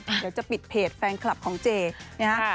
เดี๋ยวจะปิดเพจแฟนคลับของเจนะฮะ